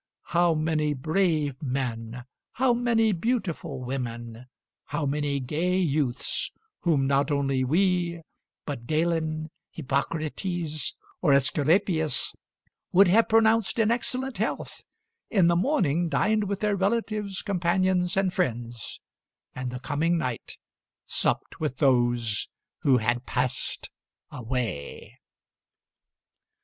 How many brave men, how many beautiful women, how many gay youths whom not only we, but Galen, Hippocrates, or Esculapius would have pronounced in excellent health, in the morning dined with their relatives, companions and friends, and the coming night supped with those who had passed away."